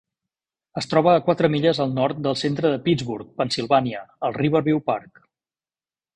Es troba a quatre milles al nord del centre de Pittsburgh (Pennsilvània), al Riverview Park.